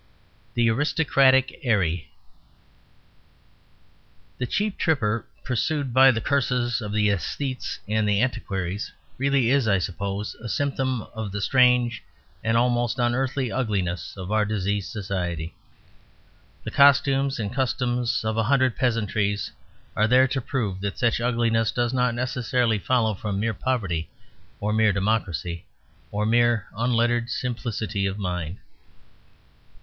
THE ARISTOCRATIC 'ARRY The Cheap Tripper, pursued by the curses of the aesthetes and the antiquaries, really is, I suppose, a symptom of the strange and almost unearthly ugliness of our diseased society. The costumes and customs of a hundred peasantries are there to prove that such ugliness does not necessarily follow from mere poverty, or mere democracy, or mere unlettered simplicity of mind.